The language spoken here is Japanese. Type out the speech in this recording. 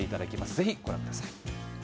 ぜひご覧ください。